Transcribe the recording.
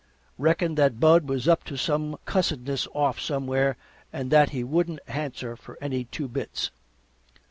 Reckoned that Bud was up to some cussedness off somewhere, and that he wouldn't answer for any two bits.